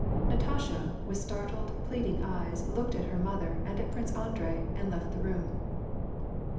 Natasha, with startled, pleading eyes, looked at her mother, and at Prince Andrei, and left the room.